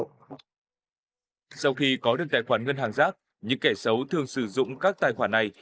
sau khi có được tài khoản ngân hàng giác những kẻ xấu thường sử dụng các tài khoản này